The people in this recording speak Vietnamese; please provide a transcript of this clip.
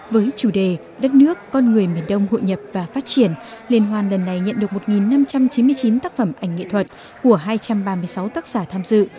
với chủ đề đất nước con người miền đông hội nhập và phát triển liên hoan lần này nhận được một năm trăm chín mươi chín tác phẩm ảnh nghệ thuật của hai trăm ba mươi sáu tác giả tham dự